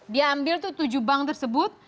dia ambil tuh tujuh bank tersebut